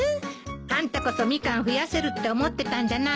あんたこそミカン増やせるって思ってたんじゃない？